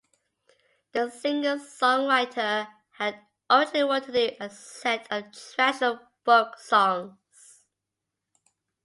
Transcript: The singer-songwriter had originally wanted to do a set of traditional folk songs.